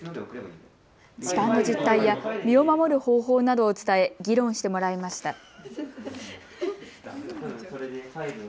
痴漢の実態や身を守る方法などを伝え議論してもらいました。